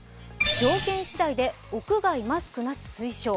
条件次第で屋外マスクなし推奨。